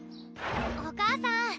お母さん